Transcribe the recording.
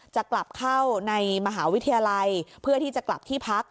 จะกลับเข้าในมหาวิทยาลัยเพื่อที่จะกลับที่พัก